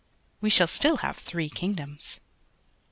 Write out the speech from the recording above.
We shall still have three kingdoms."